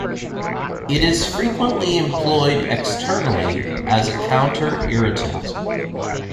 It is frequently employed externally as a counterirritant.